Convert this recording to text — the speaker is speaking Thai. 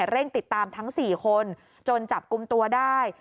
เร่งติดตามทั้ง๔คนจนจับกลุ่มตัวได้